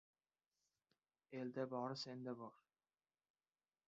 Elda bori — senda bori.